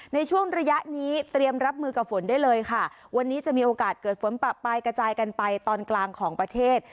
ในช่วงระยะนี้เตรียมรับมือกับฝนได้เลยค่ะวันนี้จะมีโอกาสเกิดฝนปะปลายกระจายกันไปตอนกลางของประเทศ